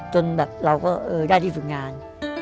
จนแบบเราก็ได้ที่ฝึกงาน